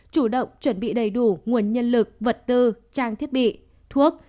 chủ động chuẩn bị đầy đủ nguồn nhân lực vật tư trang thiết bị thuốc